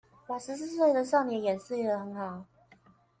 把十四歲的少年演繹的很好